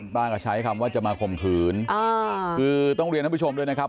ป้าก็ใช้คำว่าจะมาข่มขืนคือต้องเรียนท่านผู้ชมด้วยนะครับ